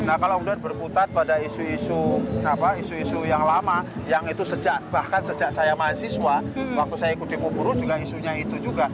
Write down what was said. nah kalau kemudian berputar pada isu isu yang lama yang itu sejak bahkan sejak saya mahasiswa waktu saya ikut demo buruh juga isunya itu juga